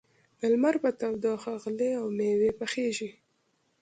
د لمر په تودوخه غلې او مېوې پخېږي.